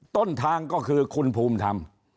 ต้นทางก็คือคุณภูมิธรรม